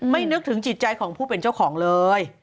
นึกถึงจิตใจของผู้เป็นเจ้าของเลย